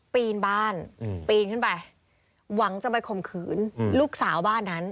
ปีนบ้านปีนขึ้นไปหวังจะไปข่มขืนลูกสาวบ้านนั้น